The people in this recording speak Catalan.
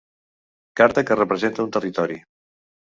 Carta que representa un territori.